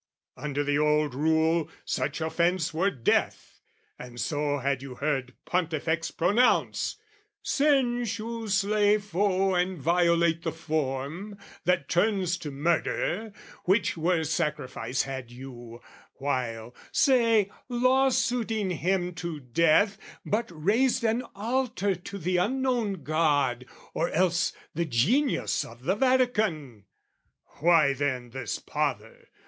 "Under the old rule, such offence were death; "And so had you heard Pontifex pronounce "'Since you slay foe and violate the form, "'That turns to murder, which were sacrifice "'Had you, while, say, law suiting him to death, "'But raised an altar to the Unknown God, "'Or else the Genius of the Vatican.' "Why then this pother?